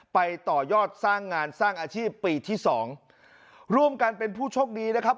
ต่อยอดสร้างงานสร้างอาชีพปีที่สองร่วมกันเป็นผู้โชคดีนะครับ